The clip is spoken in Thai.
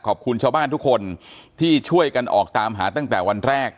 ขอบคุณชาวบ้านทุกคนที่ช่วยกันออกตามหาตั้งแต่วันแรก